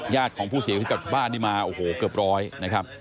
ของผู้เสียชีวิตกลับบ้านนี่มาโอ้โหเกือบร้อยนะครับ